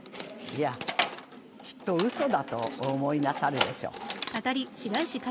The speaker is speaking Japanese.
いやきっとうそだとお思いなさるでしょう。